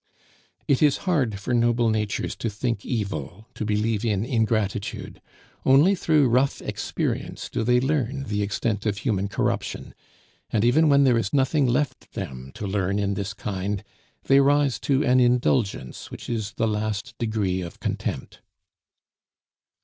It is hard for noble natures to think evil, to believe in ingratitude; only through rough experience do they learn the extent of human corruption; and even when there is nothing left them to learn in this kind, they rise to an indulgence which is the last degree of contempt.